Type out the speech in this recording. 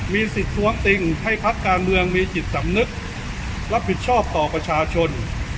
มีสิทธิ์ท้วงติงให้พักการเมืองมีจิตสำนึกรับผิดชอบต่อประชาชน